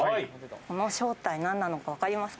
この正体、何なのかわかりますか？